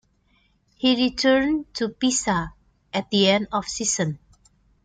He returned to Pisa at the end of season.